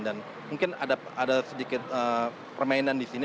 dan mungkin ada sedikit permainan di sini